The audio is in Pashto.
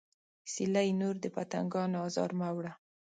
سیلۍ نور د پتنګانو ازار مه وړه